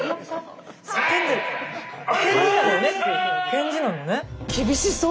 返事なのね。